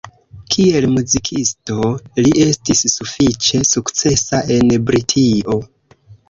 Kiel muzikisto li estis sufiĉe sukcesa en Britio.